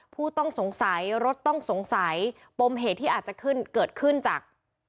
ผู้ต้องสงสัยรถต้องสงสัยปมเหตุที่อาจจะขึ้นเกิดขึ้นจาก